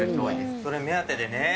これ目当てでね。